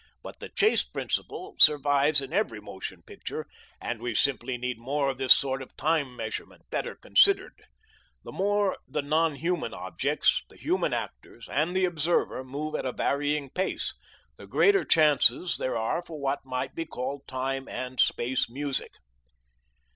But the chase principle survives in every motion picture and we simply need more of this sort of time measurement, better considered. The more the non human objects, the human actors, and the observer move at a varying pace, the greater chances there are for what might be called time and space music.